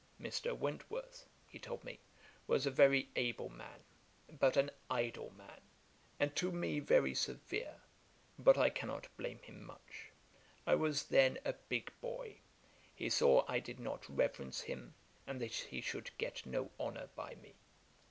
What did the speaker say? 'Mr. Wentworth (he told me) was a very able man, but an idle man, and to me very severe; but I cannot blame him much. I was then a big boy; he saw I did not reverence him; and that he should get no honour by me.